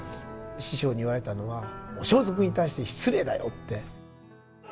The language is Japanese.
師匠に言われたのは「お装束に対して失礼だよ」って。